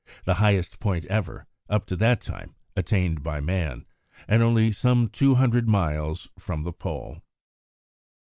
the highest point ever, up to that time, attained by man, and only some two hundred miles from the Pole.